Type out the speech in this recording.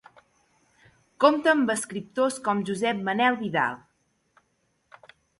Compta amb escriptors com Josep Manel Vidal.